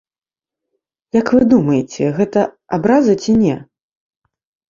Як вы думаеце, гэта абраза, ці не?